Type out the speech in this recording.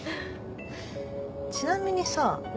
ちなみにさ